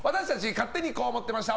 勝手にこう思ってました